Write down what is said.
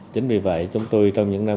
chính vì vậy chúng tôi trong những năm